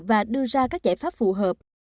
và đưa ra các giải pháp phù hợp